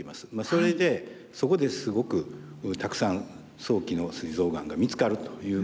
それでそこですごくたくさん早期のすい臓がんが見つかるということでですね